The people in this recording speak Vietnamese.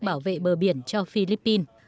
bảo vệ bờ biển cho philippines